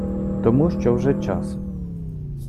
тому що вже час.